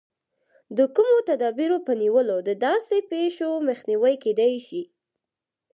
د کومو تدابیرو په نیولو د داسې پېښو مخنیوی کېدای شي.